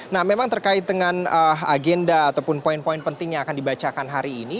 nah memang terkait dengan agenda ataupun poin poin penting yang akan dibacakan hari ini